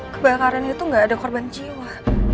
kebakaran itu gak ada korban jiwa